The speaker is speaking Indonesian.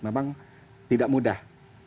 memang tidak mudah